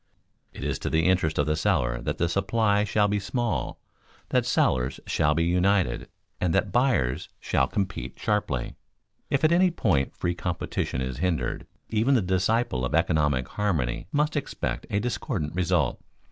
It is to the interest of the seller that supply shall be small, that sellers shall be united, and that buyers shall compete sharply. If at any point free competition is hindered, even the disciple of economic harmony must expect a discordant result.